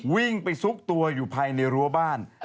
วิ่งไปซุกตัวอยู่ภายในรั้วบ้าน